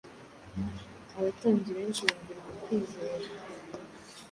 abatambyi benshi bumvira uko kwizera.